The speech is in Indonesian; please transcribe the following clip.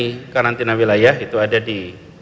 keputusan mengenai karantina wilayah itu ada di